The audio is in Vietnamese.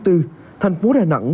thành phố đà nẵng